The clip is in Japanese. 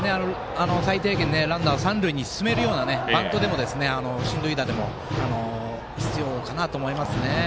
最低限、ランナーを三塁に進めるようなバントでも進塁打でもそういう打撃が必要だと思います。